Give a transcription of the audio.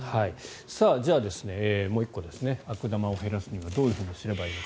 じゃあ、もう１個悪玉を減らすにはどうすればいいのか。